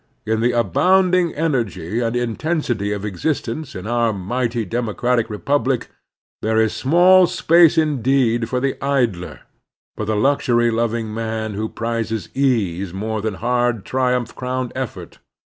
In the abounding energy and intensity of existence in our mighty democratic republic there is small space indeed for the idler, for the luxury loving man who prizes ease more than hard, triumph crowned effort.